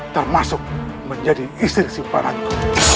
termasuk menjadi istri simpananku